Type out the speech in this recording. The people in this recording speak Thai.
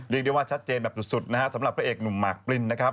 เรียกได้ว่าชัดเจนแบบสุดนะฮะสำหรับพระเอกหนุ่มหมากปรินนะครับ